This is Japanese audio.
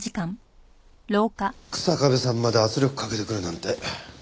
日下部さんまで圧力かけてくるなんて。